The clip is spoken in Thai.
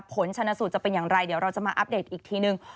ผลชนสูตรจะเป็นอย่างไรเดี๋ยวเราจะมาอัปเดตอีกทีนึง